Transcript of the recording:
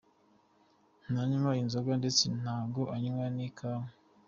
Ntanywa Inzoga ndetse ntago anyway n’ikawa.